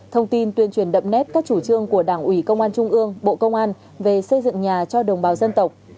thông tin tuyên truyền đậm nét các chủ trương của đảng ủy công an trung ương bộ công an về xây dựng nhà cho đồng bào dân tộc